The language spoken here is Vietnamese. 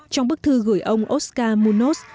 trong bức thư gửi ông oscar munoz